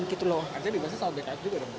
maksudnya dibasah soal bks juga